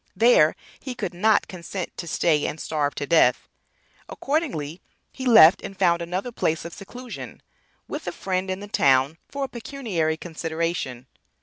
There he could not consent to stay and starve to death. Accordingly he left and found another place of seclusion with a friend in the town for a pecuniary consideration.